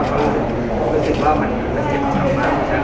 เราก็คิดว่ามันเจ็บขนาดนั้น